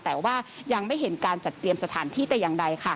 แต่ว่ายังไม่เห็นการจัดเตรียมสถานที่แต่อย่างใดค่ะ